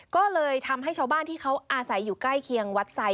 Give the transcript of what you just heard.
ก็เลยทำให้ชาวบ้านที่เขาอาศัยอยู่ใกล้เคียงวัดไซด